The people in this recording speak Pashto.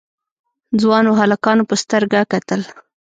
ځوانو هلکانو په سترګه کتل.